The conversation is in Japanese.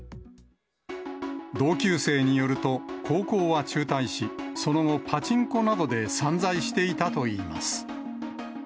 同級生によると、高校は中退し、その後、パチンコなどで散財していたといいます。